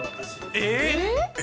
えっ？